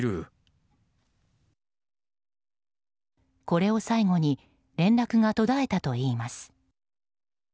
これを最後に連絡が途絶えたといいます。